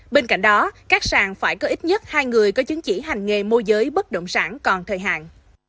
bên cạnh đó các sàn phải có ít nhất hai người có chứng chỉ hành nghề môi giới bất động sản còn thời hạn